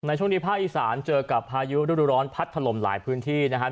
ช่วงนี้ภาคอีสานเจอกับพายุฤดูร้อนพัดถล่มหลายพื้นที่นะครับ